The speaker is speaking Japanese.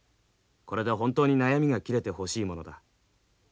これで本当に悩みが切れてほしいものだ。